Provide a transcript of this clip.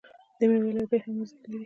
د میوو لرګي هم ارزښت لري.